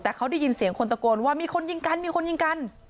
เขาได้ยินเสียงคนตะโกนว่ามีคนยิงกัน